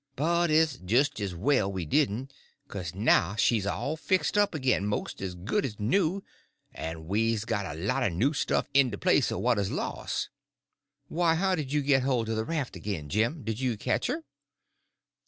But it's jis' as well we didn't, 'kase now she's all fixed up agin mos' as good as new, en we's got a new lot o' stuff, in de place o' what 'uz los'." "Why, how did you get hold of the raft again, Jim—did you catch her?"